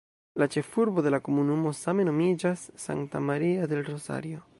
La ĉefurbo de la komunumo same nomiĝas "Santa Maria del Rosario".